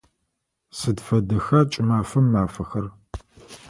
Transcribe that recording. Сыд фэдэха кӏымафэм мафэхэр?